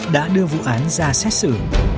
đã đưa vụ án ra xét xử